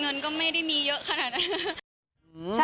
เงินก็ไม่ได้มีเยอะขนาดนั้น